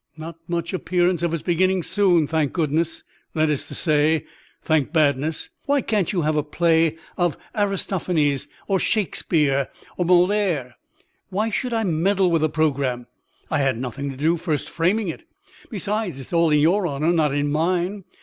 Not much appearance of its beginning soon, thank goodness—that is to say,, thank badness. Why can't you have a play of Aristophanes, or Shakespeare, or Molière? Why should I meddle with the programme? I had nothing to do with first framing it. Besides, it is all in your honor, not in mine.